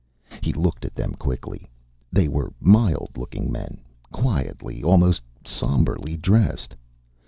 He looked at them quickly. They were mild looking men, quietly, almost somberly dressed.